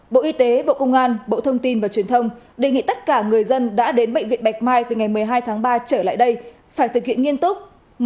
bộ y tế bộ công an bộ thông tin và truyền thông đề nghị tất cả người dân đã đến bệnh viện bạch mai từ ngày một mươi hai tháng ba trở lại đây phải thực hiện nghiêm túc